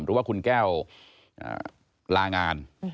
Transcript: หรือว่าคุณแก้วลางาน